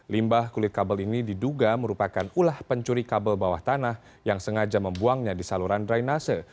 limbah kulit kabel ini diduga merupakan ulah pencuri kabel bawah tanah yang sengaja membuangnya di saluran drainase